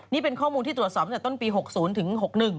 นี่เป็นข้อมูลที่ตรวจสอบตั้งแต่ต้นปี๖๐ถึง๖๑